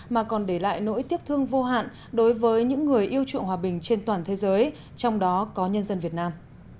mà còn để lại nỗi tiếc thương vô hạn đối với những người yêu chuộng hòa bình trên toàn thế giới trong đó có nhân dân việt nam